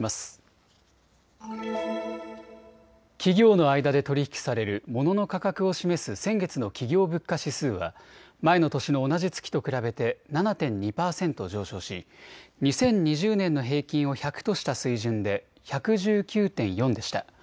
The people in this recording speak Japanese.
企業の間で取り引きされるモノの価格を示す先月の企業物価指数は前の年の同じ月と比べて７．２％上昇し２０２０年の平均を１００とした水準で１１９．４でした。